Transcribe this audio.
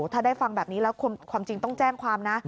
ถ้าได้ฟังแบบนี้แล้วความจริงต้องแจ้งความนะ